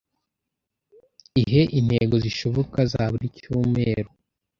Ihe intego zishoboka za buri cyumeru